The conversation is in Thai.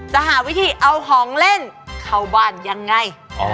จะหาวิธีเอาของเล่นเข้าบ้านยังไง